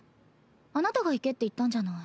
あなたが行けって言ったんじゃない。